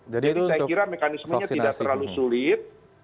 jadi saya kira mekanismenya tidak terlalu sulit